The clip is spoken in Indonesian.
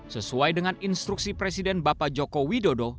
sesuai dengan instruksi presiden bapak joko widodo